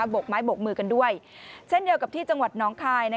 บกไม้บกมือกันด้วยเช่นเดียวกับที่จังหวัดน้องคาย